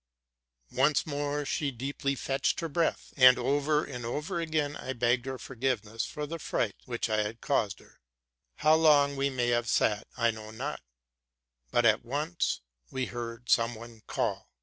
Once more she deeply drew breath, and I over and over again begged her forgiveness for the fright I had caused her. How 'Tong we may rhave sat I know not, but at once we heard some one call.